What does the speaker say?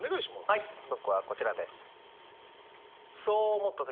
はい僕はこちらです。